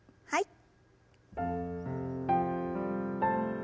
はい。